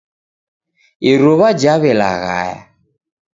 Iruw'a jaw'elaghaya.